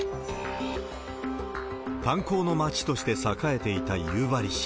炭鉱の町として栄えていた夕張市。